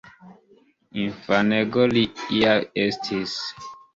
Infanego li ja estis.